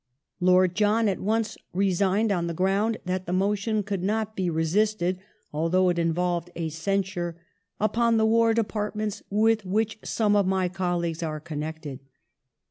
Lord John at once resigned on the ^9^!*^*°" ground that the motion could not be resisted, although it involved a censure " upon the War Departments with which some of my colleagues are connected